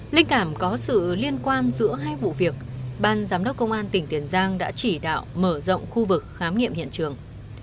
linh cảm có sự liên quan giữa hai vụ việc ban giám đốc công an tỉnh tiền giang đã chỉ đạo mở rộng khu vực khám nghiệm hiện trường